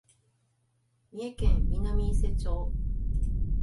三重県南伊勢町